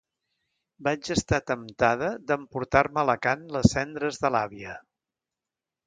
Vaig estar temptada d'emportar-me a Alacant les cendres de l'àvia.